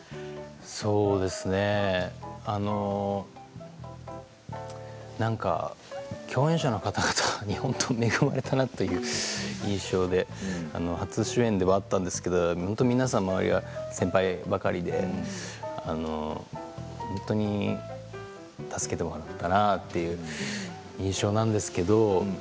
そうですねなんか共演者の方々に本当に恵まれたなという印象で初主演ではあったんですけれど本当に周りが皆さん先輩ばかりで本当に助けてもらったなという印象なんです。